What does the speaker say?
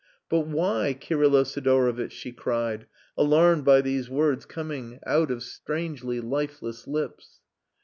"But why, Kirylo Sidorovitch?" she cried, alarmed by these words coming out of strangely lifeless lips.